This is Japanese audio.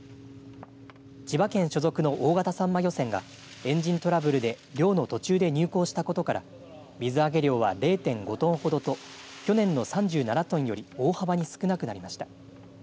千葉県所属の大型サンマ漁船がエンジントラブルで漁の途中で入港したことから水揚げ量は０．５トンほどと去年の３７トンより大幅に少なくなりました。